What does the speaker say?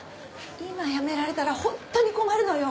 今辞められたら本当に困るのよ。